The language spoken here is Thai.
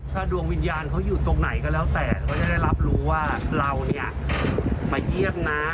ถ้าดวงวิญญาณเขาอยู่ตรงไหนก็แล้วแต่เขาจะได้รับรู้ว่าเราเนี่ยมาเยี่ยมนะ